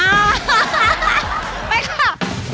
ไปค่ะ